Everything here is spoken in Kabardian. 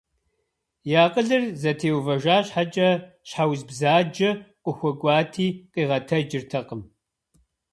И акъылыр зэтеувэжа щхьэкӏэ, щхьэ уз бзаджэ къыхуэкӏуати къигъэтэджыртэкъым.